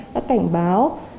các cảnh báo